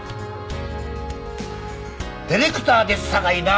ディレクターですさかいな。